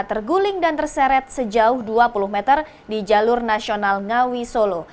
terguling dan terseret sejauh dua puluh meter di jalur nasional ngawi solo